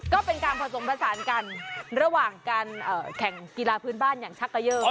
ก็เป็นการผสมผสานกันระหว่างการแข่งกีฬาพื้นบ้านอย่างชักเกยอร์